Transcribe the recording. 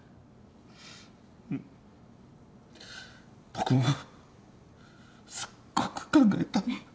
うん僕もすっごく考えた。